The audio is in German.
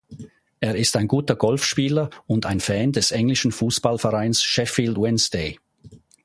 Er ist ein guter Golfspieler und ein Fan des englischen Fußballvereins Sheffield Wednesday.